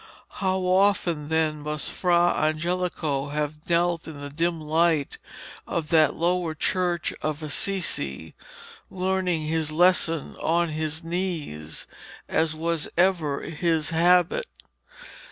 How often then must Fra Angelico have knelt in the dim light of that lower church of Assisi, learning his lesson on his knees, as was ever his habit.